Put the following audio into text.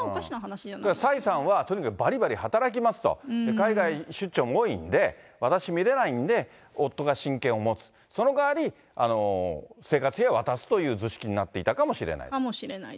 じゃあ、蔡さんは、私、ばりばり働きますと、海外出張も多いんで、私見れないんで、夫が親権を持つ、その代わり、生活費は渡すという図式になっていたかもしれない。